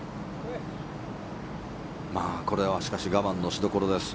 これはしかし、我慢のしどころです。